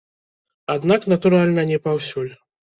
Аднак, натуральна, не паўсюль.